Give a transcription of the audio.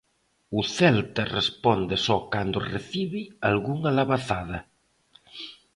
O Celta responde só cando recibe algunha labazada.